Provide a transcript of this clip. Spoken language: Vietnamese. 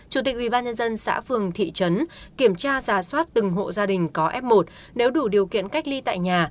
chủ tịch ubnd xã phường thị trấn kiểm tra giả soát từng hộ gia đình có f một nếu đủ điều kiện cách ly tại nhà